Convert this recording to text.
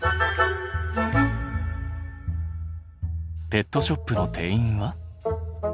ペットショップの店員は？